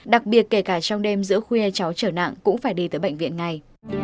đặc biệt kể cả trong đêm giữa khuya cháu trở nặng cũng phải đi tới bệnh viện ngay